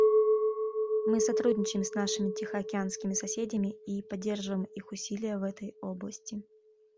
Мы сотрудничаем с нашими тихоокеанскими соседями и поддерживаем их усилия в этой области.